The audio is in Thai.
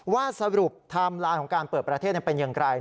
ว่าสรุปไทม์ไลน์ของการเปิดประเทศเป็นอย่างไร